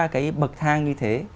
cái bậc thang như thế